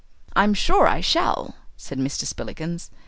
"I'm sure I shall," said Mr. Spillikins.